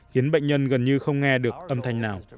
khiến bệnh nhân gần như không nghe được âm thanh nào